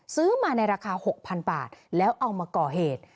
ซื้อมาในราคา๖๐๐๐บาทแล้วเอามาก่อเหตุ